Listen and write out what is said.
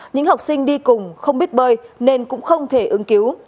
những học sinh đi cùng không biết bơi nên cũng không thể ứng cứu